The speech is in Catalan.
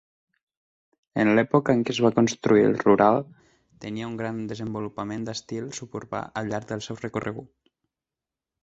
En l'època en què es va construir el Rural, tenia un gran desenvolupament d'estil suburbà al llarg del seu recorregut.